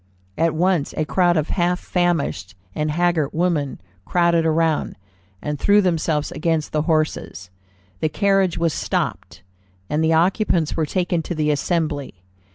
At once a crowd of half famished and haggard women crowded around, and threw themselves against the horses. The carriage was stopped, and the occupants were taken to the Assembly.